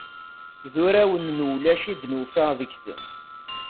D urawen n ulac i d-nufa deg-sen.